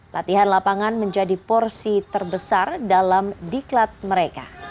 latihan lapangan menjadi porsi terbesar dalam diklat mereka